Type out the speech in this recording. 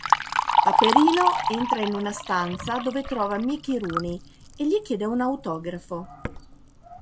Paperino entra in una stanza dove trova Mickey Rooney, e gli chiede un autografo.